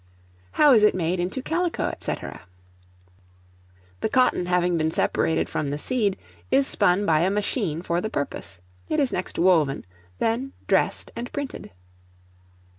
How is it made into Calico, &c.? The cotton having been separated from the seed, is spun by a machine for the purpose. It is next woven, then dressed, and printed.